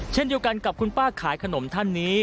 เช่นเดียวกันกับคุณป้าขายขนมท่านนี้